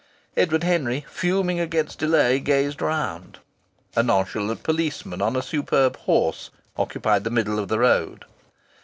Edward Henry, fuming against delay, gazed around. A nonchalant policeman on a superb horse occupied the middle of the road.